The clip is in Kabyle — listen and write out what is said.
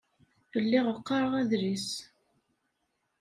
Lliɣ qqaṛeɣ adlis.